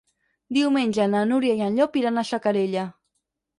Diumenge na Núria i en Llop iran a Xacarella.